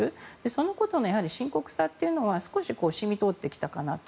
そのことの深刻さっていうのは少し、染みとおってきたかなと。